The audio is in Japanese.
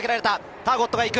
ターゴットが行く。